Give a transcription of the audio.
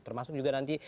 termasuk juga nanti